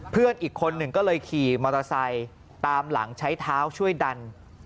เพื่อนอีกคนหนึ่งก็เลยขี่มอเตอร์ไซค์ตามหลังใช้เท้าช่วยดัน